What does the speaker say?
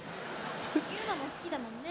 ユーマも好きだもんね。